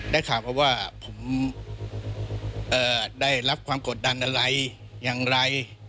ข่าวมาว่าผมได้รับความกดดันอะไรอย่างไร